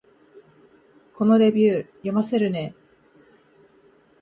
このレビュー、読ませるね